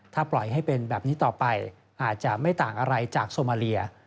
ถ้าปล่อยให้เป็นแบบนี้ต่อไปอาจจะไม่ต่างอะไรจากโซมาเลีย